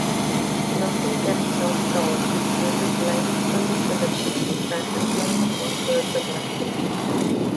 "Nothing Can Stop Torg" uses lines from the film "Santa Claus Conquers the Martians".